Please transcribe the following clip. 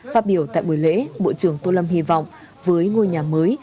phát biểu tại buổi lễ bộ trưởng tô lâm hy vọng với ngôi nhà mới